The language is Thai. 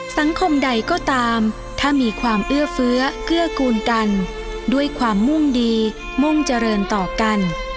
สังคมใดก็ตามถ้ามีความเอื้อเฟื้อเกื้อกูลกันด้วยความมุ่งดีมุ่งเจริญต่อกัน